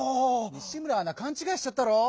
西村アナかんちがいしちゃったろう！